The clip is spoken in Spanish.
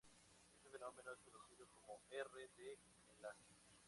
Este fenómeno es conocido como R de enlace.